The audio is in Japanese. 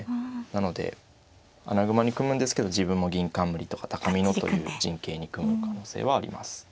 なので穴熊に組むんですけど自分も銀冠とか高美濃という陣形に組む可能性はあります。